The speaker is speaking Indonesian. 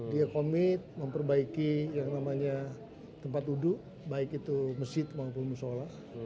dia komit memperbaiki yang namanya tempat duduk baik itu masjid maupun musola